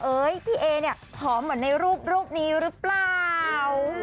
เอ้ยพี่เอเนี่ยผอมเหมือนในรูปรูปนี้รึเปล่า